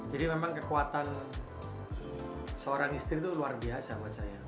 jadi memang kekuatan seorang istri itu luar biasa menurut saya